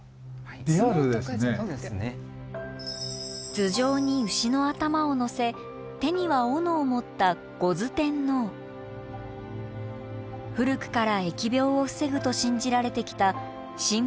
頭上に牛の頭をのせ手には斧を持った古くから疫病を防ぐと信じられてきた神仏混交の神様。